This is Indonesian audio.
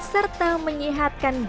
serta menyehatkan badan